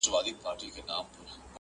اوس به څوك د هندوكش سندري بولي؛